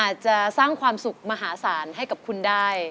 อาจจะสร้างความสุขมหาศาลให้กับคุณได้